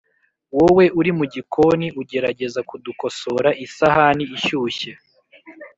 wowe uri mugikoni, ugerageza kudukosora isahani ishyushye